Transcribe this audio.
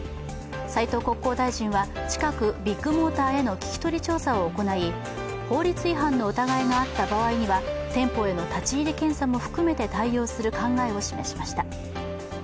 斉藤国交大臣は近くビッグモーターへの聞き取り調査を行い、法律違反の疑いがあった場合には店舗への立ち入り検査も含めて対応する考えを示しました。